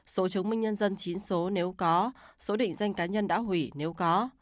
số chứng minh nhân dân chín số nếu có số định danh cá nhân đã hủy nếu có